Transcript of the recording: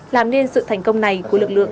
làm nên sự thành công này của lực lượng